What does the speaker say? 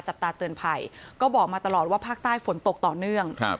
จับตาเตือนภัยก็บอกมาตลอดว่าภาคใต้ฝนตกต่อเนื่องครับ